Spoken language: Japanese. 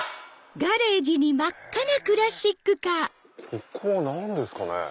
ここは何ですかね？